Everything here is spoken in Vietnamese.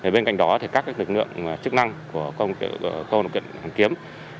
bên cạnh đó các lực lượng chức năng của công nghiệp hành kiếm